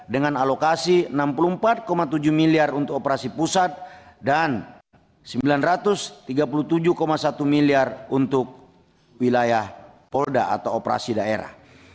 dengan alokasi rp enam puluh empat tujuh miliar untuk operasi pusat dan rp sembilan ratus tiga puluh tujuh satu miliar untuk wilayah polda atau operasi daerah